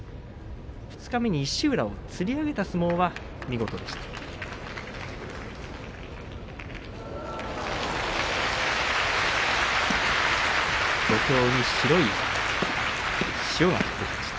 二日目に石浦をつり上げた相撲は見事でした。